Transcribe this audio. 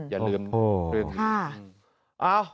อย่าลืมคลิก